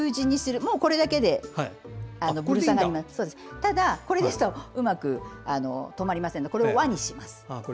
ただ、これだとうまく留まりませんので輪にします。